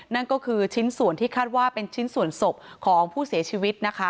นั่นก็คือชิ้นส่วนที่คาดว่าเป็นชิ้นส่วนศพของผู้เสียชีวิตนะคะ